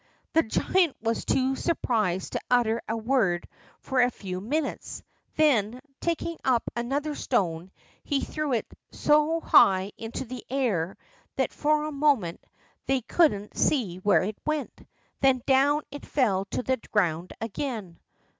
The giant was too surprised to utter a word for a few minutes; then, taking up another stone, he threw it so high into the air that for a moment they couldn't see where it went; then down it fell to the ground again.